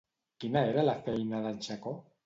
Quina era la feina d'en Xacó?